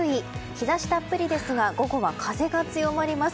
日差したっぷりですが午後は風が強まります。